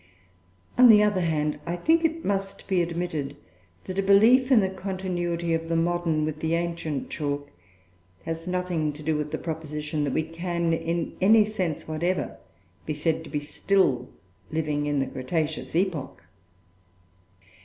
On the other hand, I think it must be admitted that a belief in the continuity of the modern with the ancient chalk has nothing to do with the proposition that we can, in any sense whatever, be said to be still living in the Cretaceous epoch.